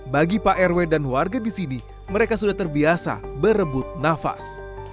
bagi pak rw dan warga di sini mereka sudah terbiasa berebut nafas